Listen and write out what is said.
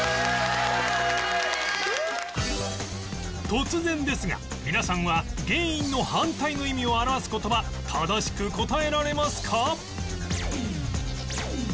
突然ですが皆さんは「原因」の反対の意味を表す言葉正しく答えられますか？